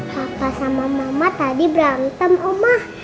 kakak sama mama tadi berantem omah